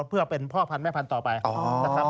เพื่อเป็นพ่อพันธุแม่พันธุ์ต่อไปนะครับ